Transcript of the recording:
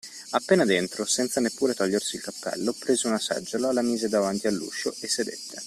Appena dentro, senza neppure togliersi il cappello, prese una seggiola, la mise davanti all’uscio e sedette.